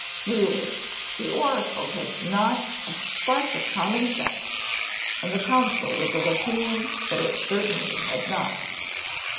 Really, the oracle has not a spark of common sense!' and the council was of opinion that it certainly had not.